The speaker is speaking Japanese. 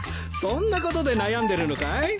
そんなことで悩んでるのかい？